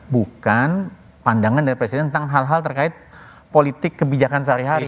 bukan pandangan dari presiden tentang hal hal terkait politik kebijakan sehari hari